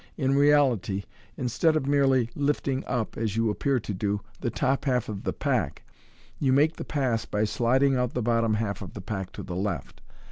In reality, instead of merely lifting up, as you appear to do, the top half of the pack, you make the pass by sliding out the bottom half of the pack to the left.